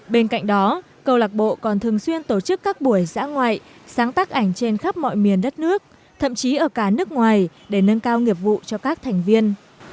bên cạnh đó câu lạc bộ còn thường xuyên tổ chức các buổi dã ngoại sáng tác ảnh trên khắp mọi miền đất nước thậm chí ở cả nước ngoài để nâng cao nghiệp vụ cho các thành viên